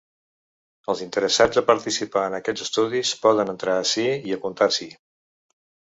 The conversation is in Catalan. Els interessats a participar en aquests estudis poden entrar ací i apuntar-s’hi.